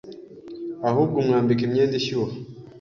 ahubwo umwambika imyenda ishyuha